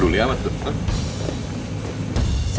duli amat tuh